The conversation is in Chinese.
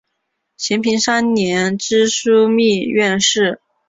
咸平三年知枢密院事。